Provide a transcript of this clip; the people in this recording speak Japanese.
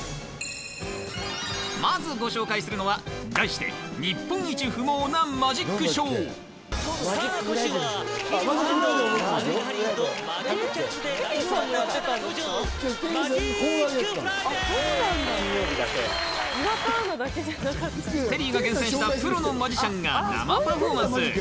まずご紹介するのは、題して「日本一不毛なマジックショー」。テリーが厳選したプロのマジシャンが生パフォーマンス。